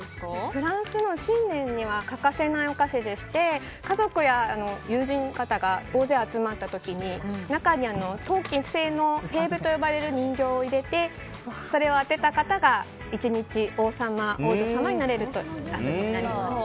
フランスの新年には欠かせないお菓子でして家族や友人の方が大勢集まった時に中に陶器製の人形を入れてそれを当てた方が１日王女様になれるという遊びになります。